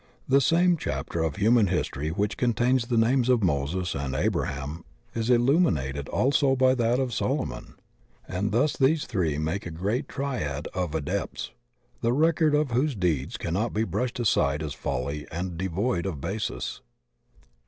The same chapter of human history which contains the names of Moses and Abra ham is illuminated also by that of Solomon. And tfius these three make a great Triad of Adepts, the record of whose deeds can not be brushed aside as folly and devoid of basis.